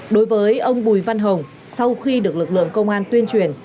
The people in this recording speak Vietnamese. đối với ông bùi văn hồng sau khi được lực lượng công an tuyên truyền